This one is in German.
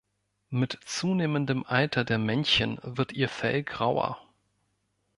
Mit zunehmendem Alter der Männchen wird ihr Fell grauer.